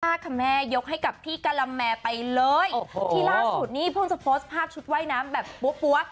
ค่ะแม่ยกให้กับพี่กะละแมไปเลยที่ล่าสุดนี่เพิ่งจะโพสต์ภาพชุดว่ายน้ำแบบปั๊วปั๊ว